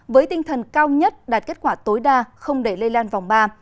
với tinh thần cao nhất đạt kết quả tối đa không để lây lan vòng ba